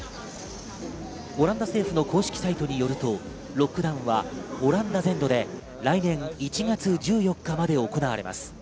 オランダ政府の公式サイトによるとロックダウンはオランダ全土で来年１月１４日まで行われます。